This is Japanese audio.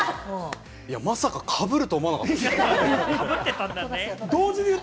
まさか、かぶると思わなかったですね。